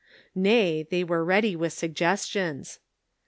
Nay, they were ready with sug gestions.